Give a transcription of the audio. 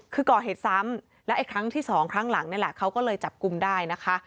คือก่อเหตุซ้ำแล้วไอ้ครั้งที่สองครั้งหลังนี่แหละเขาก็เลยจับกลุ่มได้นะคะ